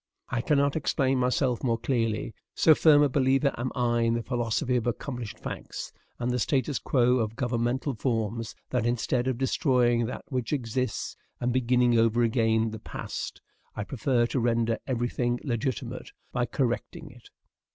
I cannot explain myself more clearly. So firm a believer am I in the philosophy of accomplished facts and the statu quo of governmental forms that, instead of destroying that which exists and beginning over again the past, I prefer to render every thing legitimate by correcting it.